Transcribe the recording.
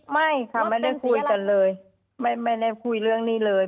ไม่ค่ะไม่ได้คุยกันเลยไม่ได้คุยเรื่องนี้เลย